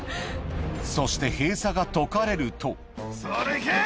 そして閉鎖が解かれるとそれ行け！